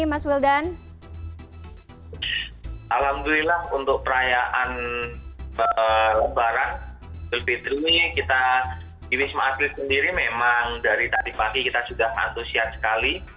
alhamdulillah untuk perayaan lebaran idul fitri kita di wisma atlet sendiri memang dari tadi pagi kita sudah antusias sekali